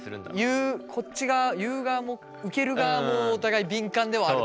言うこっち側言う側も受ける側もお互い敏感ではあるからね初めましてだと。